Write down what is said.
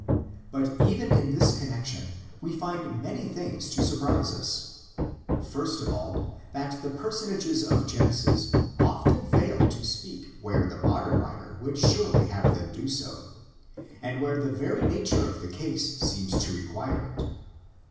But even in this connexion we find many things to surprise us. First of all, that the personages of Genesis often fail to speak where the modern writer would surely have them do so, and where the very nature of the case seems to require it.